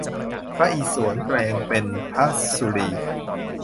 พระอิศวรแปลงเป็นพระศุลี